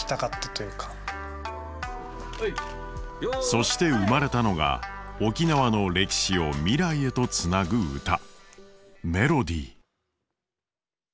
そして生まれたのが沖縄の歴史を未来へとつなぐ歌「Ｍｅｌｏｄｙ」。